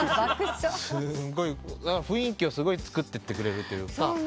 雰囲気をすごいつくってってくれるというか。